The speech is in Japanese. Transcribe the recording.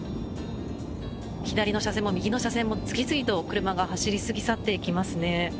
左の車線も右の車線も次々と車が走り去っていきますね。